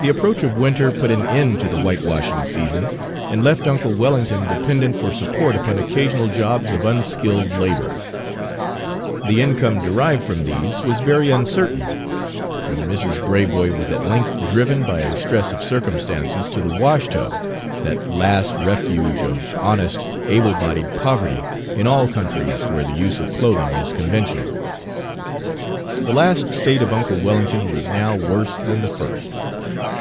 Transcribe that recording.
The approach of winter put an end to the whitewashing season, and left uncle Wellington dependent for support upon occasional jobs of unskilled labor. The income derived from Page 250 these was very uncertain, and Mrs. Braboy was at length driven, by stress of circumstances, to the washtub, that last refuge of honest, able bodied poverty, in all countries where the use of clothing is conventional. The last state of uncle Wellington was now worse than the first.